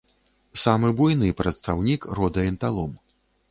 Самы буйны прадстаўнік рода энталом.